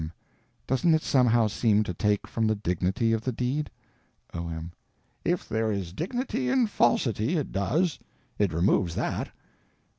Y.M. Doesn't it somehow seem to take from the dignity of the deed? O.M. If there is dignity in falsity, it does. It removes that.